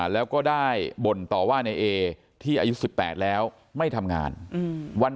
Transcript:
แล้วก็ได้บ่นต่อว่าในเอที่อายุ๑๘แล้วไม่ทำงานวัน